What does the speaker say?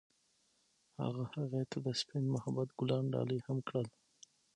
هغه هغې ته د سپین محبت ګلان ډالۍ هم کړل.